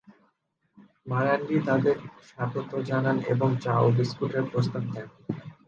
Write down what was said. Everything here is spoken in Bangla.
মারান্ডী তাদের স্বাগত জানান এবং চা ও বিস্কুটের প্রস্তাব দেন।